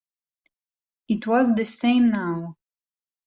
It was the same now.